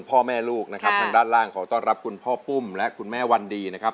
พ่อแม่ลูกนะครับทางด้านล่างขอต้อนรับคุณพ่อปุ้มและคุณแม่วันดีนะครับ